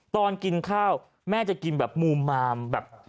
ตอนกินข้าวแม่จะกินแบบมูมามแบบ